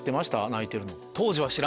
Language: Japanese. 泣いてるの。